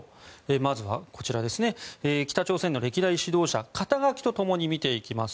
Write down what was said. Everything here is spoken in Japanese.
まずは、北朝鮮の歴代指導者肩書と共に見ていきます。